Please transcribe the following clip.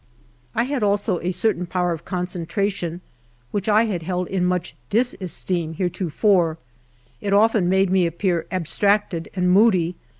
I had also a certain power of concentration which I had held in much disesteem heretofore ; it often made me ap))ear abstracted and moody.